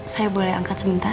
saya boleh angkat sebentar